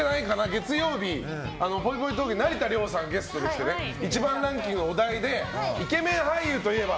月曜日のぽいぽいトークに成田凌さんがゲストで来て１番ランキングのお題でイケメン俳優といえば？